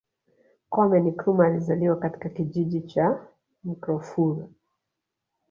Kwame Nkrumah alizaliwa katika kijiji cha Nkroful